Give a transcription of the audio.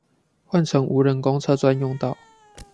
換成無人公車專用道